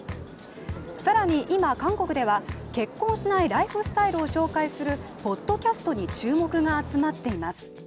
更に今、韓国では結婚しないライフスタイルを紹介するポッドキャストに注目が集まっています。